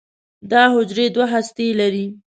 دا حجرې دوه هستې لري.